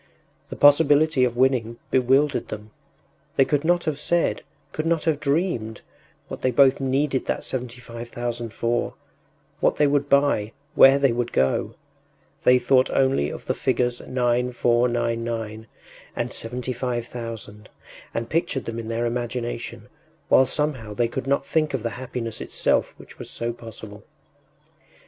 The possibility of winning bewildered them; they could not have said, could not have dreamed, what they both needed that seventy five thousand for, what they would buy, where they would go. They thought only of the figures 9,499 and 75,000 and pictured them in their imagination, while somehow they could not think of the happiness itself which was so possible.